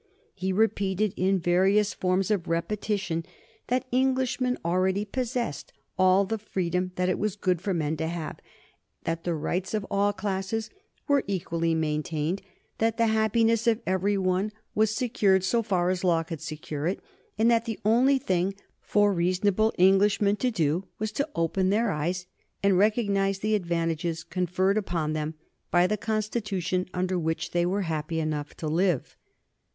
He repeated, in various forms of repetition, that Englishmen already possessed all the freedom that it was good for men to have, that the rights of all classes were equally maintained, that the happiness of every one was secured, so far as law could secure it, and that the only thing for reasonable Englishmen to do was to open their eyes and recognize the advantages conferred upon them by the Constitution under which they were happy enough to live.